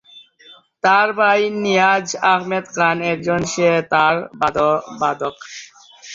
তার ভাই নিয়াজ আহমেদ খান একজন সেতার বাদক।